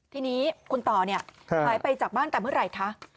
ทีนี้คุณต่อเนี่ยหายไปจากบ้านแต่เมื่อไหร่คะ